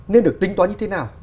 nên được tính toán như thế nào